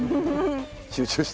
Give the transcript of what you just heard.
集中して。